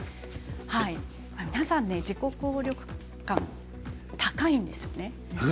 皆さん、自己効力感高いんですよね。